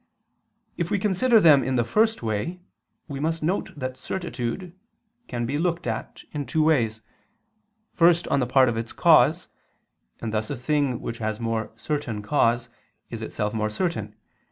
If we consider them in the first way, we must note that certitude can be looked at in two ways. First, on the part of its cause, and thus a thing which has a more certain cause, is itself more certain.